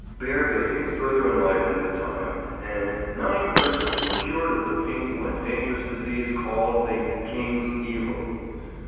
Bear baiting further enlivened the time, and "nyne persons were cured of the peynful and daungerous deseaz called the King's Evil."